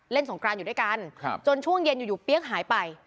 สงกรานอยู่ด้วยกันจนช่วงเย็นอยู่เปี๊ยกหายไป